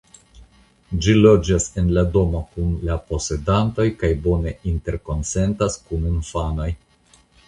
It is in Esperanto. Ĝi loĝas en la domo kun la posedantoj kaj bone interkonsentas kun infanoj.